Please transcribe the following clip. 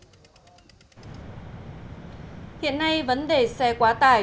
hiện nay vấn đề xe quá tải